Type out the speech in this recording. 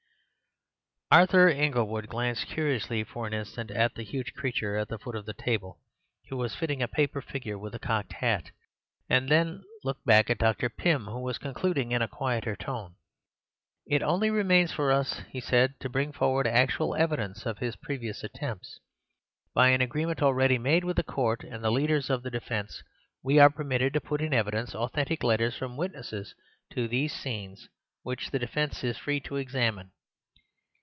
Arthur Inglewood glanced curiously for an instant at the huge creature at the foot of the table, who was fitting a paper figure with a cocked hat, and then looked back at Dr. Pym, who was concluding in a quieter tone. "It only remains for us," he said, "to bring forward actual evidence of his previous attempts. By an agreement already made with the Court and the leaders of the defence, we are permitted to put in evidence authentic letters from witnesses to these scenes, which the defence is free to examine.